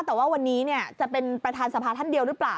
แต่ว่าวันนี้จะเป็นประธานสภาท่านเดียวหรือเปล่า